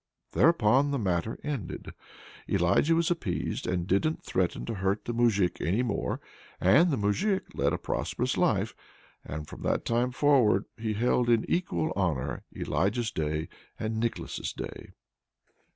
Thereupon the matter ended. Elijah was appeased and didn't threaten to hurt the Moujik any more. And the Moujik led a prosperous life, and from that time forward he held in equal honor Elijah's Day and Nicholas's Day.